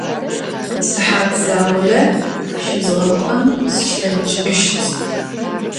Sıhat zaule şızğek'on slheç'ışt.